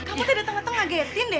kamu tadi udah tengah tengah ngagetin deh